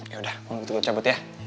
yaudah gue tutup mulut cabut ya